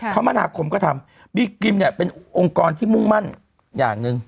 มนาคมก็ทำบีกิมเนี่ยเป็นองค์กรที่มุ่งมั่นอย่างหนึ่ง